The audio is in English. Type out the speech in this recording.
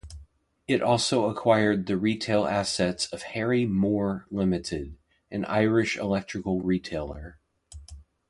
It also acquired the retail assets of Harry Moore Limited, an Irish electrical retailer.